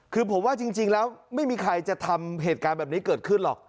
คือผมว่าจริงแล้วไม่มีใครจะทำเหตุการณ์แบบนี้เกิดขึ้นหรอก